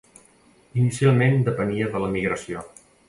Inicialment depenia de l'emigració.